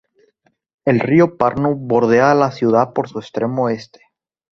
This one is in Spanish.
El río Pärnu bordea la ciudad por su extremo este.